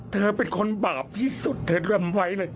เธอเป็นคนบาปที่สุดเธอรำไว้เลย